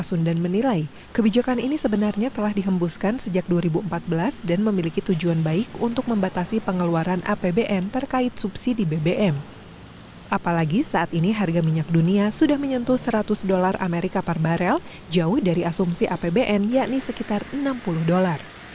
sudah menyentuh seratus dolar amerika barbarel jauh dari asumsi apbn yakni sekitar enam puluh dolar